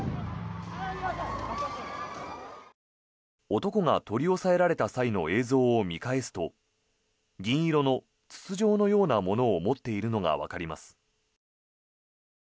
男が取り押さえられた際の映像を見返すと銀色の筒状のようなものを持っているのがわかります。